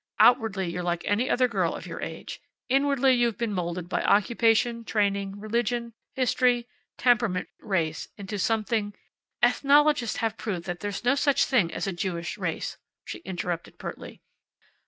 Outwardly you're like any other girl of your age. Inwardly you've been molded by occupation, training, religion, history, temperament, race, into something " "Ethnologists have proved that there is no such thing as a Jewish race," she interrupted pertly.